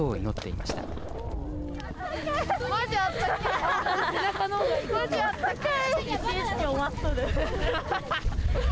まじ、あったかい。